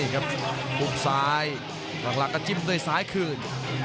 คลุ่มซ้ายพลังหลักกระจิ้มไปในซ้ายคืน